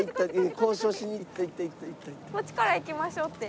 こっちから行きましょうって。